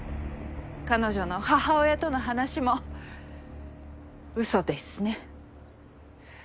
彼女の母親との話も嘘ですね。